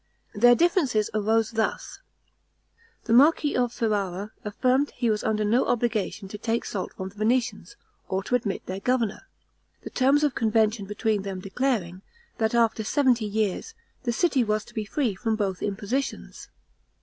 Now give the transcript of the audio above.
Their differences arose thus: the marquis of Ferrara affirmed he was under no obligation to take salt from the Venetians, or to admit their governor; the terms of convention between them declaring, that after seventy years, the city was to be free from both impositions.